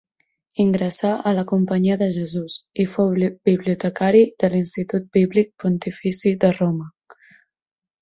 Ingressà a la Companyia de Jesús i fou bibliotecari de l'Institut Bíblic Pontifici de Roma.